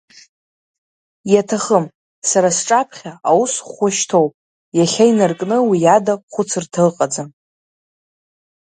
Иаҭахым, сара сҿаԥхьа аус ӷәӷәа шьҭоуп, иахьа инаркны уиада хәыцырҭа ыҟаӡам.